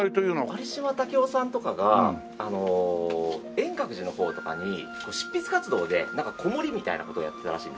有島武郎さんとかが円覚寺のほうとかに執筆活動でなんかこもりみたいな事をやってたらしいんですね。